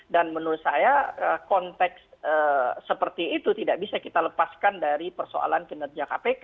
dan menurut saya konteks seperti itu tidak bisa kita lepaskan dari persoalan kinerja kpk